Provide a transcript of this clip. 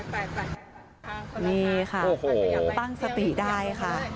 ไปนี่ค่ะโอ้โหตั้งสติได้ค่ะ